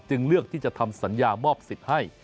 เลือกที่จะทำสัญญามอบสิทธิ์ให้